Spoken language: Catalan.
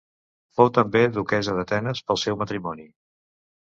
Fou també duquessa d'Atenes pel seu matrimoni.